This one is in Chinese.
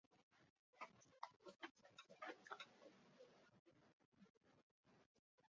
多刺仿刺铠虾为铠甲虾科仿刺铠虾属下的一个种。